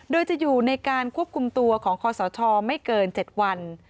โดยจะอยู่ในการควบคุมตัวของคอสชไม่เกิน๗วัน